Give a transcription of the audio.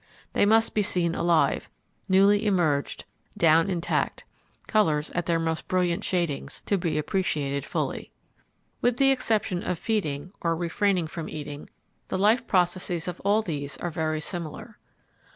They must be seen alive, newly emerged, down intact, colours at their most brilliant shadings, to be appreciated fully. With the exception of feeding or refraining from eating, the life processes of all these are very similar.